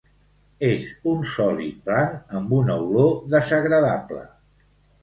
És un sòlid blanc amb una olor desagradable.